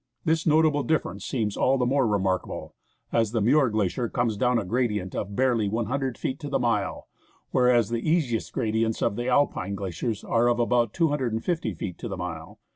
This notable difference seems all the more remarkable, as the Muir Glacier comes down at a gradient of barely 100 feet to the mile, whereas the easiest gradients of Alpine glaciers are of about 250 feet to the mile.